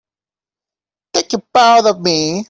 Take your paws off me!